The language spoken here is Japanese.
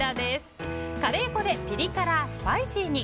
カレー粉でピリ辛スパイシーに！